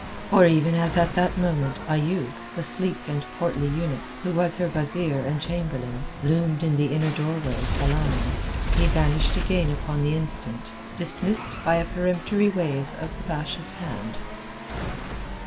For even as at that moment Ayoub—the sleek and portly eunuch, who was her wazeer and chamberlain—loomed in the inner doorway, salaaming, he vanished again upon the instant, dismissed by a peremptory wave of the Basha's hand.